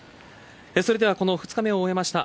それではこの２日目を終えました